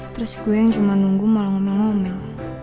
terus gue yang cuma nunggu malah ngomel ngomel